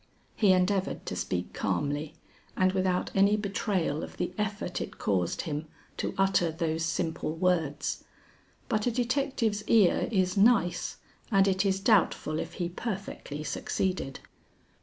He endeavored to speak calmly and without any betrayal of the effort it caused him to utter those simple words, but a detective's ear is nice and it is doubtful if he perfectly succeeded.